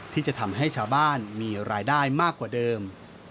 ที่จะทำให้ชาวบ้านมีรายได้มากกว่าเดิม